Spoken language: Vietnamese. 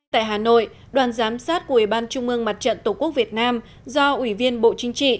tại hà nội đoàn giám sát của ủy ban trung ương mặt trận tổ quốc việt nam do ủy viên bộ chính trị